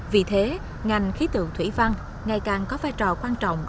vì thế ngành khí tượng thủy văn ngày càng có vai trò quan trọng